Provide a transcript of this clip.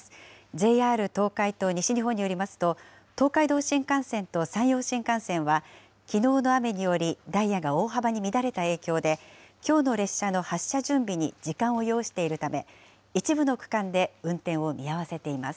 ＪＲ東海と西日本によりますと、東海道新幹線と山陽新幹線はきのうの雨により、ダイヤが大幅に乱れた影響で、きょうの列車の発車準備に時間を要しているため、一部の区間で運転を見合わせています。